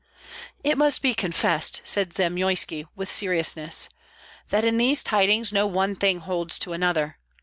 "It must be confessed," said Zamoyski, with seriousness, "that in these tidings no one thing holds to another.